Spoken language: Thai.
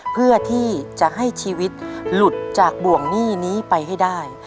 เพื่อที่จะให้ชีวิตหลุดจากบ่วงหนี้นี้ไปให้ได้